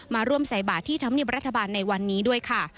มาร่วมใส่บาทที่ธรรมเนียบรัฐบาลในวันนี้ด้วยค่ะ